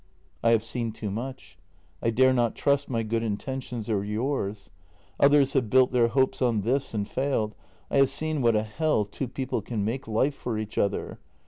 "" I have seen too much. I dare not trust my good intentions or yours. Others have built their hopes on this and failed — I have seen what a hell two people can make life for each other.